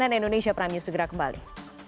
cnn indonesia prime news segera kembali